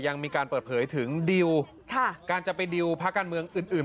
ยังมีการเปิดเผยถึงดีลการจะไปดีลพระการเมืองอื่น